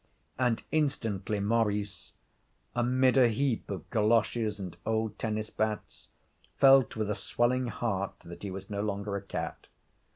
And instantly Maurice, amid a heap of goloshes and old tennis bats, felt with a swelling heart that he was no longer a cat.